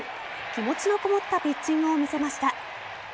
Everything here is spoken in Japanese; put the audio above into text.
気持ちのこもったピッチングを見せました。